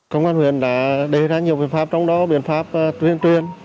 công an huyện đã đề ra nhiều biện pháp trong đó biện pháp tuyên truyền